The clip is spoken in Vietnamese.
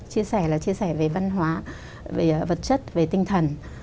chia sẻ là chia sẻ về văn hóa về vật chất về tinh thần